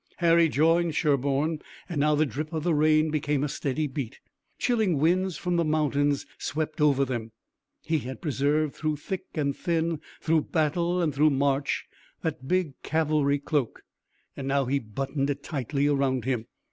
Harry joined Sherburne and now the drip of the rain became a steady beat. Chilling winds from the mountains swept over them. He had preserved through thick and thin, through battle and through march that big cavalry cloak, and now he buttoned it tightly around him.